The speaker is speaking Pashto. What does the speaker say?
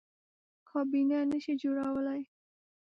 کابینه نه شي جوړولی.